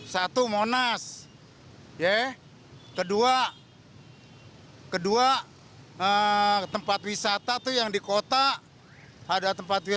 satu monas kedua tempat wisata yang di kota ada tempat wisata